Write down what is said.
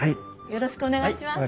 よろしくお願いします。